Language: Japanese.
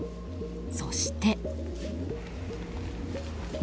そして。